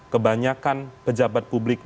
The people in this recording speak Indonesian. kebanyakan pejabat publik